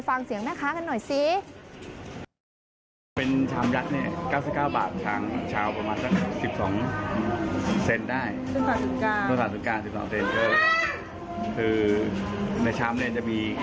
ตั้งแต่๑๙เซนติเมตรคือในชามจะมี